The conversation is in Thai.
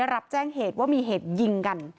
รับแจ้งเหตุว่ามีเหตุยิงกัน